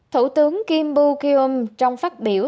thủ tướng kim buk yum trong phát biểu